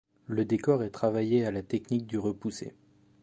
Le décor est travaillé à la technique du repoussé.